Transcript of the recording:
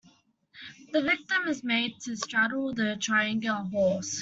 The victim is made to straddle the triangular horse.